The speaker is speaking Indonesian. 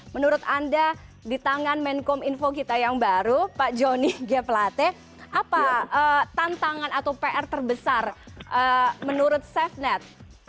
menurut anda di tangan menkom info kita yang baru pak joni g pelate apa tantangan atau pr terbesar menurut safenet